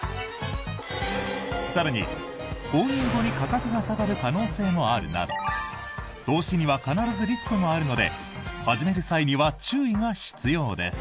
更に、購入後に価格が下がる可能性もあるなど投資には必ずリスクもあるので始める際には注意が必要です。